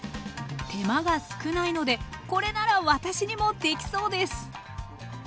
手間が少ないのでこれなら私にもできそうです！